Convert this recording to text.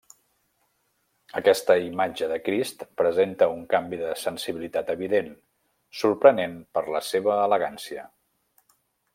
Aquesta imatge de Crist presenta un canvi de sensibilitat evident, sorprenent per la seva elegància.